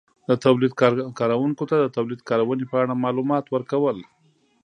-د تولید کارونکو ته د تولید کارونې په اړه مالومات ورکول